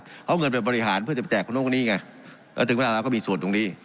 เขาเอาเงินไปบริหารเพื่อจะแจกคนโลกนี้ไงแล้วถึงประมาณนั้นก็มีส่วนตรงนี้